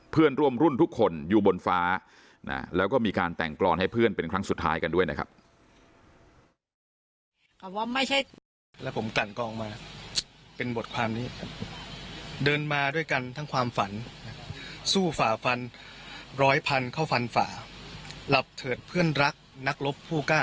เพื่อนร่วมรุ่นทุกคนอยู่บนฟ้าแล้วก็มีการแต่งกรอนให้เพื่อนเป็นครั้งสุดท้ายกันด้วยนะครับ